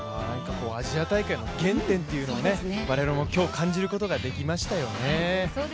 アジア大会の減点を我々も今日感じることができましたよね。